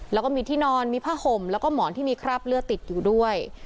แล้วก็มีที่นอนมีผ้าห่มแล้วก็หมอนที่มีคราบเลือดติดอยู่ด้วย